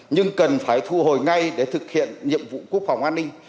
nhưng cần phải thu hồi ngay để thực hiện nhiệm vụ quốc phòng an ninh